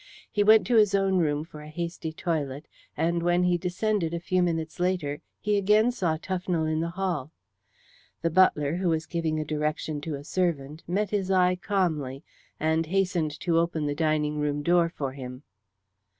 He went to his own room for a hasty toilet, and when he descended a few minutes later he again saw Tufnell in the hall. The butler, who was giving a direction to a servant, met his eye calmly, and hastened to open the dining room door for him.